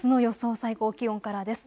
最高気温からです。